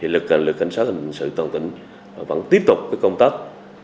lực lượng cảnh sát hình sự toàn tỉnh vẫn tiếp tục công tác